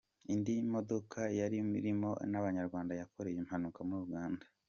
Indi modoka yari irimo n’Abanyarwanda yakoreye impanuka muri Uganda